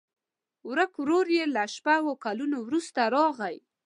ورک ورور یې له شپږو کلونو وروسته راغی.